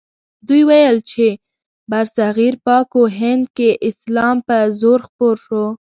دوی ویل چې برصغیر پاک و هند کې اسلام په زور خپور شو.